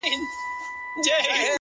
• د شته من په کور کي غم دوی ته مېله وه ,